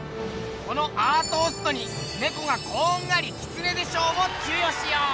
このアートーストに「ネコがこんがりキツネで賞」を授与しよう！